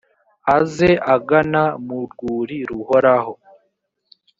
aze agana mu rwuri ruhoraho